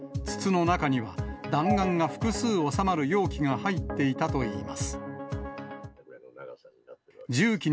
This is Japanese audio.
筒の中には弾丸が複数収まる容器が入っていたといいます。